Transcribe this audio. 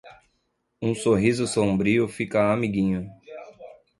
Um sorriso sombrio fica amiguinho.